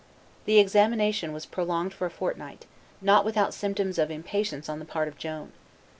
The examination was prolonged for a fortnight, not without symptoms of impatience on the part of Joan.